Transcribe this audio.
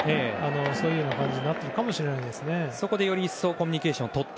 そういう感じになっているかもしれないですね。